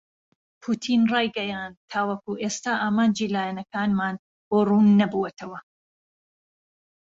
پوتین رایگەیاند تاوەکو ئێستا ئامانجی لایەنەکانمان بۆ رووننەبووەتەوە.